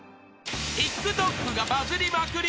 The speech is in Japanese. ［ＴｉｋＴｏｋがバズりまくり］